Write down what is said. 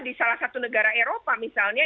di salah satu negara eropa misalnya